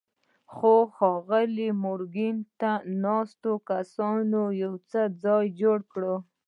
خو ښاغلي مورګان له ناستو کسانو یو څه لرې ځای جوړ کړ